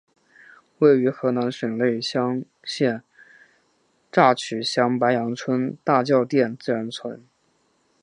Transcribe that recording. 位于河南省内乡县乍曲乡白杨村大窑店自然村。